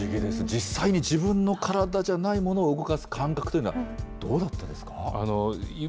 実際に自分の体じゃないものを動かす感覚というのはどうだったですか。